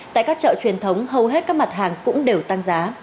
tại các chợ truyền thống hầu hết các mặt hàng cũng đều tăng giá